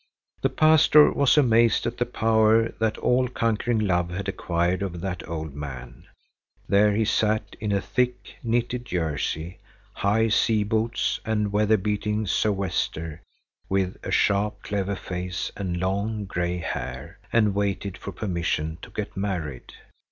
The pastor was amazed at the power that all conquering love had acquired over that old man. There he sat in a thick, knitted jersey, high sea boots and weather beaten sou'wester with a sharp, clever face and long, gray hair, and waited for permission to get married.